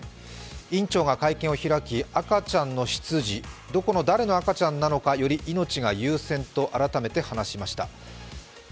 院長が会見を開き、赤ちゃんの出自どこの誰の赤ちゃんなのかより命が優先と改めて話しました。